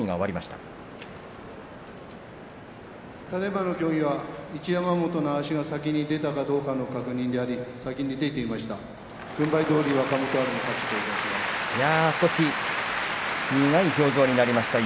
ただいまの協議は一山本の足が先に出たかどうかの確認であり先に出ていました。